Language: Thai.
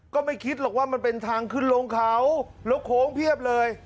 ก็ไม่คิดหรอกว่ามันเป็นทางขึ้นลงเขาแล้วโค้งเพียบเลย